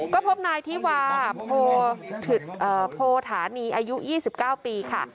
ก็พบนายธิวาโพธานีอายุ๒๙ปีค่ะ